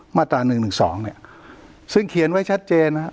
มาตราหนึ่งหนึ่งสองเนี่ยซึ่งเขียนไว้ชัดเจนนะฮะ